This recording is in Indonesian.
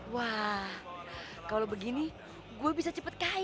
wah kalau begini gue bisa cepat kaya